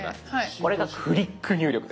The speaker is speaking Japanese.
これがフリック入力です。